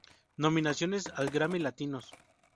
Nominaciones al Grammy Latinos